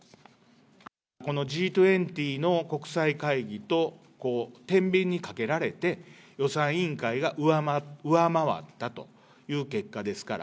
このＧ２０の国際会議とてんびんにかけられて、予算委員会が上回ったという結果ですから。